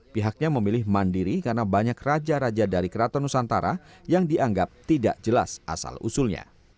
pihaknya memilih mandiri karena banyak raja raja dari keraton nusantara yang dianggap tidak jelas asal usulnya